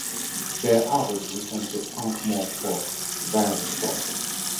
They are able to return to Ankh-Morpork via the shop.